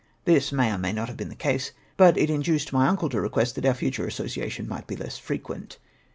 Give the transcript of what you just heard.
This may or may not have been the case, but it induced my imcle to request that our future association might be less frequent.